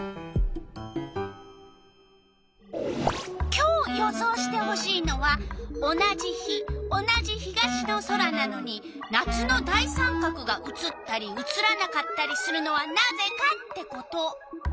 今日予想してほしいのは「同じ日同じ東の空なのに夏の大三角が写ったり写らなかったりするのはなぜか」ってこと。